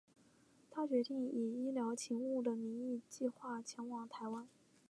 他决定以医疗勤务的名义计画前往台湾。